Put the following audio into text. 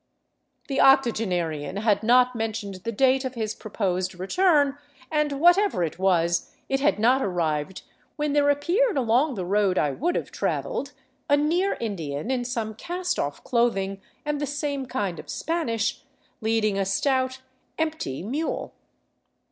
The octogenarian had not mentioned the date of his proposed re turn and, whatever it was, it had not arrived when there appeared along the road I would have traveled a near Indian in some cast off clothing and the same kind of Spanish, leading a stout, " empty " mule.